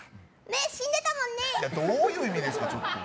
どういう意味ですか、ちょっと。